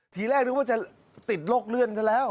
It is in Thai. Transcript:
ทีแรกนึกว่าจะติดโรคเลื่อนซะแล้ว